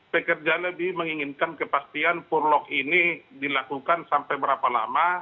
pekerja lebih menginginkan kepastian purlok ini dilakukan sampai berapa lama